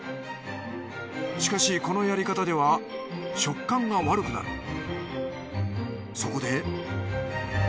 しかしこのやり方では食感が悪くなる。